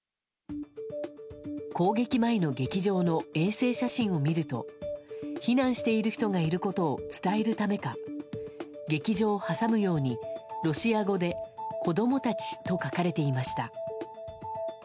攻撃前の劇場の衛星写真を見ると避難している人がいることを伝えるためか劇場を挟むようにロシア語で「子供たち」と書かれていました。